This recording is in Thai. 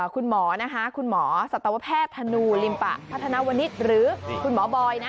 คุณหมอนะคะคุณหมอสัตวแพทย์ธนูลิมปะพัฒนาวนิดหรือคุณหมอบอยนะ